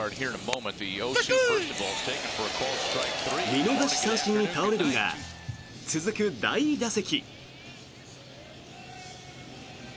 見逃し三振に倒れるが続く第２打席。